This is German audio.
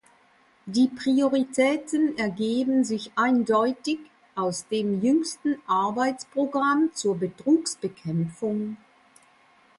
Die Prioritäten ergeben sich eindeutig aus dem jüngsten Arbeitsprogramm zur Betrugsbekämpfung.